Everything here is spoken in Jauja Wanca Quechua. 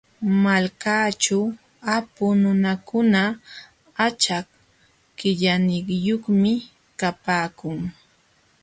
Malkaaćhu apu nunakuna achak qillaniyuqmi kapaakun.